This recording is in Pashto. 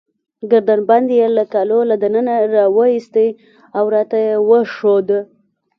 ګردن بند يې له کالو له دننه راوایستی، او راته يې وښود.